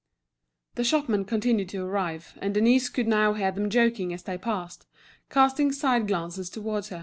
The shopmen continued to arrive, and Denise could now hear them joking as they passed, casting side glances towards her.